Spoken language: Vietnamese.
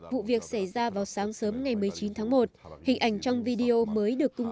nói về vật chất trong vụ sập nhà này vào khoảng bốn trăm sáu mươi ba triệu đô la mỹ